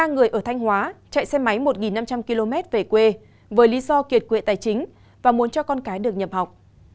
ba người ở thanh hóa chạy xe máy một năm trăm linh km về quê với lý do kiệt quệ tài chính và muốn cho con cái được nhập học